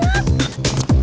wah keren banget